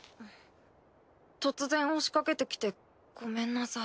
突然押しかけてきてゴメンなさい。